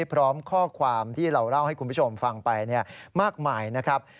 พร้อมข้อความที่เราเล่าให้คุณผู้ชมฟังไปมากมายนะครับ